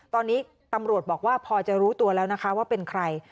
ตอนนี้ตำรวจบอกว่าพอจะรู้ตัวแล้วนะคะว่าเป็นใคร